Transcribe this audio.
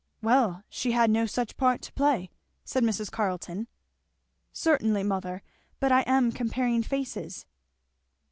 "Well, she had no such part to play," said Mrs. Carleton. "Certainly, mother but I am comparing faces."